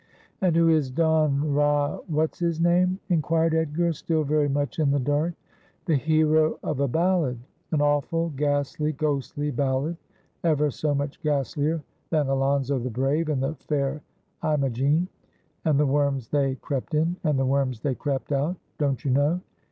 ' And who is Don — Ra— — what's his name ?' inquired Edgar, still very much in the dark. ' The hero of a ballad — an awful, ghastly, ghostly ballad, ever so much ghastlier than Alonzo the Brave and the Fair Imogene, and the worms they crept in, and the worms they crept out, don't you know.